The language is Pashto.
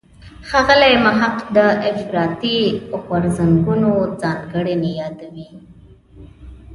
ښاغلی محق د افراطي غورځنګونو ځانګړنې یادوي.